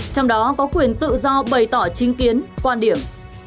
trong đó có quyền tự do bày tỏ chính kiến quan điểm